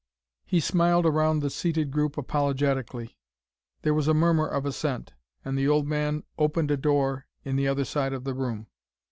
He smiled around the seated group apologetically. There was a murmur of assent, and the old man opened a door in the other side of the room.